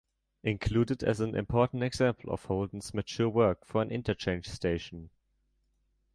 Included as an important example of Holden's mature work for an interchange station.